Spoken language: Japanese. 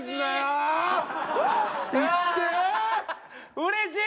うれしい！